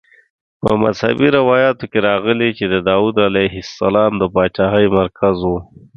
په مذهبي روایاتو کې راغلي چې د داود علیه السلام د پاچاهۍ مرکز وه.